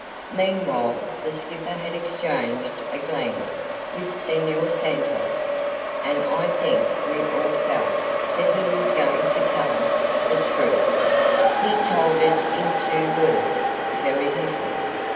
Meanwhile the skipper had exchanged a glance with Senhor Santos, and I think we all felt that he was going to tell us the truth. He told it in two words "Very little."